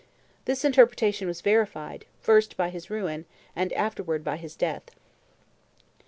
This interpretation was verified, first by his ruin, and afterward by his death.